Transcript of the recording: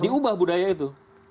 diubah budaya itu